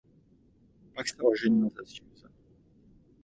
Pak se oženil s Susan.